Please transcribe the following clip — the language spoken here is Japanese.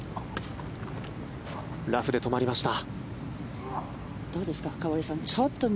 ラフで止まりました。